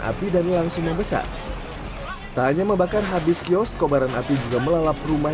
api dan langsung membesar tanya membakar habis kiosk oboran api juga melalap rumah